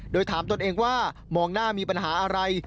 โดยถามตนเองว่ามองหน้ามีปัญหาอะไร